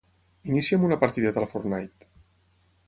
Inicia'm una partideta al "Fortnite".